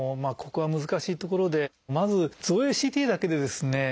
ここが難しいところでまず造影ＣＴだけでですね